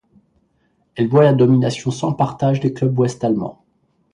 Elle voit la domination sans partage des clubs ouest-allemands.